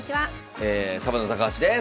サバンナ高橋です。